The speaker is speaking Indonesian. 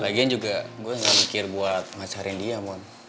lagian juga gue gak mikir buat ngacarin dia mon